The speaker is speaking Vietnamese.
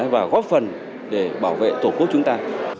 và góp phần để bảo vệ tổ quốc chúng ta